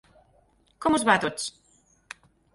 Com us va a tots?